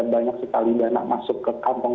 banyak sekali dana masuk ke kantong